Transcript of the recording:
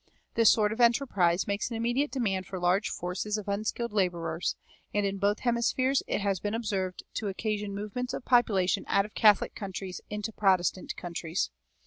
This sort of enterprise makes an immediate demand for large forces of unskilled laborers; and in both hemispheres it has been observed to occasion movements of population out of Catholic countries into Protestant countries.